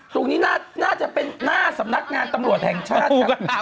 ตรงนี้น่าจะเป็นหน้าสำนักงานตำรวจแห่งชาติครับ